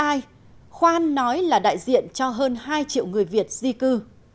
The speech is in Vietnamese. và cứ ai khoan nói là đại diện cho hơn hai triệu người việt di cư